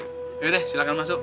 yaudah silakan masuk